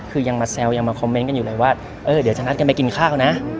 คือยังมาแซวยังมาคอมเมนต์กันอยู่เลยว่า